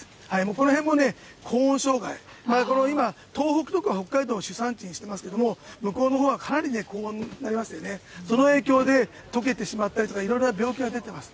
このへんもね、高温障害、今、東北とか北海道を主産地にしてますけれども、向こうのほうはかなり高温になりましてね、その影響で、とけてしまったりとか、いろいろな病気が出てます。